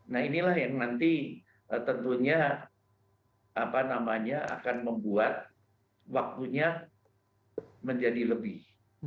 nah inilah yang nanti tentunya akan membuat waktunya menjadi lebih